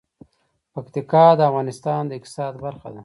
پکتیکا د افغانستان د اقتصاد برخه ده.